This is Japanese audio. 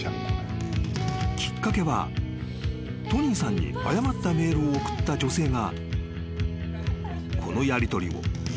［きっかけはトニーさんに誤ったメールを送った女性が］